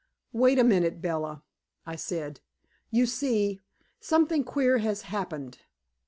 "Wait a minute, Bella," I said. "You see, something queer has happened.